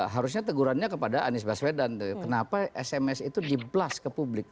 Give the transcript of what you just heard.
harusnya tegurannya kepada anies baswedan kenapa sms itu di blast ke publik